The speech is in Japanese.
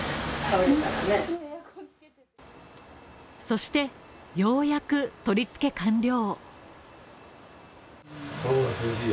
そして、ようやく取りつけ完了。